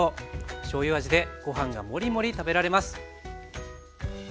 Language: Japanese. しょうゆ味でご飯がモリモリ食べられます。